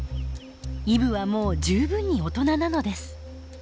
イブはもう十分に大人なのです。